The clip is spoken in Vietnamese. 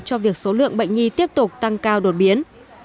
cho việc số lượng bệnh nhi tiếp tục tăng cao đột biến